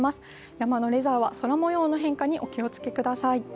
山のレジャーは空もようの変化にお気をつけください。